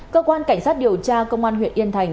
cơ quan cảnh sát điều tra công an huyện yên thành